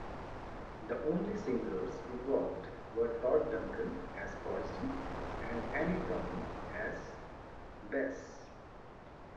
The only singers involved were Todd Duncan as Porgy and Anne Brown as Bess.